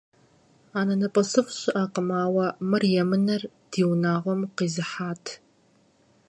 АнэнэпӀэсыфӀ щыӀэкъым, ауэ мыр емынэр ди унагъуэм къизыхьат.